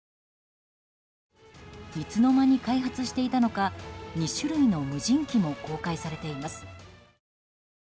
いつの間に開発していたのか２種類の無人機も公開されています。